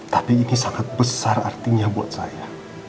tapi ini sangat besar artinya buat saya